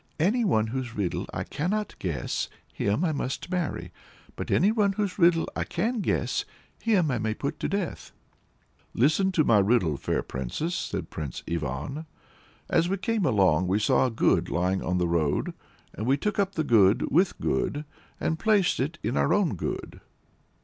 "Anyone whose riddle I cannot guess, him I must marry. But anyone whose riddle I can guess, him I may put to death." "Listen to my riddle, fair princess!" said Prince Ivan. "As we came along, we saw Good lying on the road, and we took up the Good with Good, and placed it in our own Good."